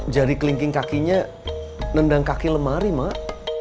jari kelingking kakinya nendang kaki lemari mak